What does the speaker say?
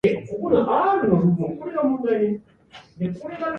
Production values slightly shaky.